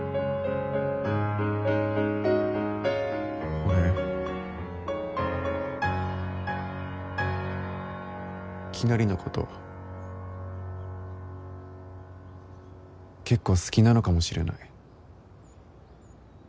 俺きなりのこと結構好きなのかもしれない。